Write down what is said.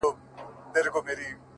ځكه انجوني وايي له خالو سره راوتي يــو-